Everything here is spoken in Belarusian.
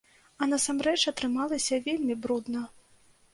А насамрэч атрымалася вельмі брудна.